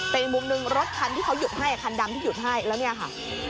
แต่อีกมุมหนึ่งรถคันที่เขาหยุดให้คันดำที่หยุดให้แล้วเนี่ยค่ะ